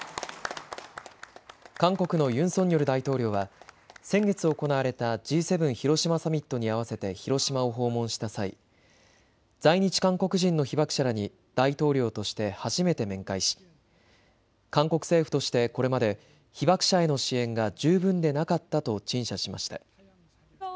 韓国のユン・ソンニョル大統領は先月行われたＧ７広島サミットに合わせて広島を訪問した際、在日韓国人の被爆者らに大統領として初めて面会し韓国政府として、これまで被爆者への支援が十分でなかったと陳謝しました。